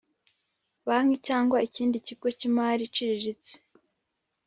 Banki cyangwa ikindi kigo cy imari iciriritse